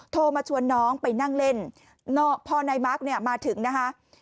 โทรมาชวนน้องไปนั่งเล่นพอนายมาร์คเนี่ยมาถึงนะคะ